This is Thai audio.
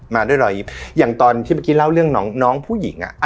มาด้วยรอยยิ้มอย่างตอนที่เมื่อกี้เล่าเรื่องน้องผู้หญิง